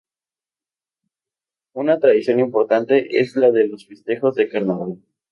Una tradición importante es la de los Festejos de Carnaval.